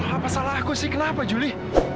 apa salah aku sih kenapa juli